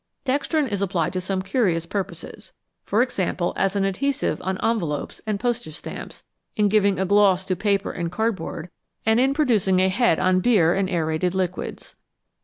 Dextrin is applied to some curious purposes for example, as an adhesive on envelopes and postage stamps, in giving a gloss to paper and cardboard, and in producing a head on beer and aerated liquids.